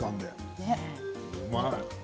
うまい。